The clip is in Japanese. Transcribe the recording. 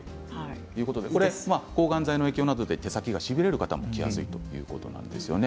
抗がん剤の影響などで手先がしびれる方も着やすいということなんですね。